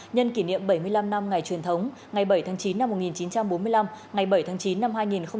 nhân kỷ niệm bảy mươi năm năm ngày truyền thống ngày bảy tháng chín năm một nghìn chín trăm bốn mươi năm ngày bảy tháng chín năm hai nghìn hai mươi